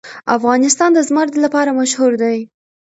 افغانستان د زمرد لپاره مشهور دی.